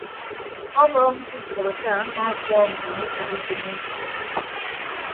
Ọbọọñ fiktọ attah amaakọọm mbon ufọk utom emi.